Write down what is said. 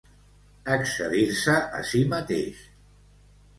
Excedir-se a si mateix.